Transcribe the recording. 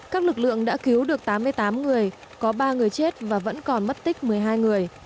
các lực lượng đã cứu được tám mươi tám người có ba người chết và vẫn còn mất tích một mươi hai người